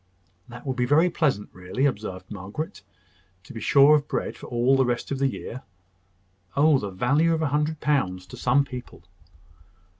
"That will be very pleasant, really," observed Margaret. "To be sure of bread for all the rest of the year! Oh, the value of a hundred pounds to some people!"